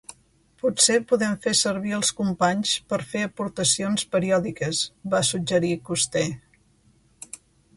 "Potser podem fer servir els companys per fer aportacions periòdiques", va suggerir Coster.